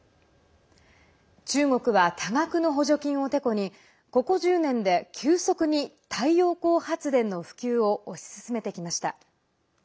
中国は多額の補助金をてこにここ１０年で急速に太陽光発電の普及を推し進めてきました。